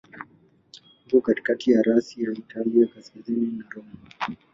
Iko katikati ya rasi ya Italia, kaskazini kwa Roma.